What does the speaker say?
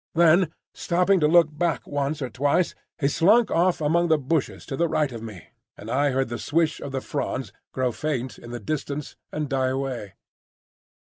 Then, stopping to look back once or twice, he slunk off among the bushes to the right of me, and I heard the swish of the fronds grow faint in the distance and die away.